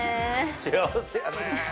幸せやね。